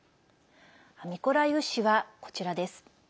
ミコライウ市は、こちらです。